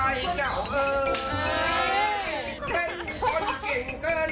สวัสดีครับคุณผู้ชมครับ